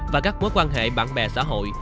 và các mối quan hệ bạn bè xã hội